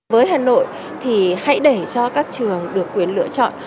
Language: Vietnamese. với hà nội thì hãy để cho các trường được quyền lựa chọn